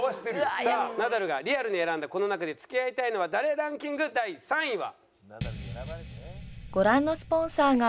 さあナダルがリアルに選んだこの中で付き合いたいのは誰ランキング第３位は。